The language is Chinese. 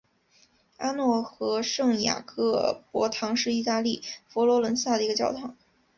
阿诺河圣雅各伯堂是意大利佛罗伦萨一个教堂。